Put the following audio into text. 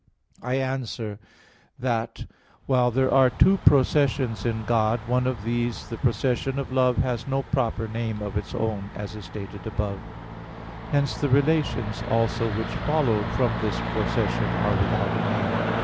I answer that, While there are two processions in God, one of these, the procession of love, has no proper name of its own, as stated above (Q. 27, A. 4, ad 3). Hence the relations also which follow from this procession are without a name (Q.